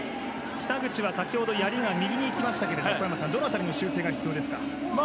北口は先ほどやりが右にいきましたが小山さん、どの辺りの修正が必要ですか？